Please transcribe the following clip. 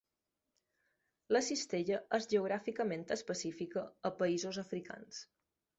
La cistella és geogràficament específica a països africans.